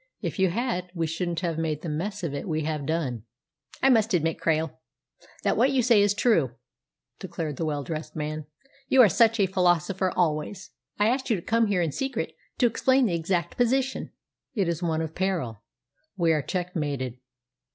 If you had, we shouldn't have made the mess of it that we have done." "I must admit, Krail, that what you say is true," declared the well dressed man. "You are such a philosopher always! I asked you to come here in secret to explain the exact position." "It is one of peril. We are checkmated.